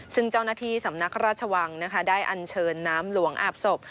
ซึ่งเจ้าหน้าที่สำนักราชวังนะคะได้อันเชิญน้ำหลวงอาบศพ